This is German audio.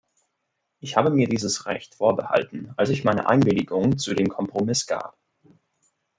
Ich habe mir dieses Recht vorbehalten, als ich meine Einwilligung zu dem Kompromiss gab.